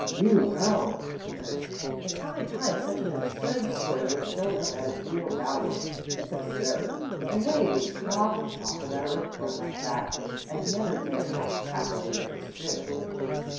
"Do go," she urged. "It's high time such an absurd story was shown up at its real value. It's absurd. The way we talk and talk about a report like that, and never dare to ask the faculty if it's true."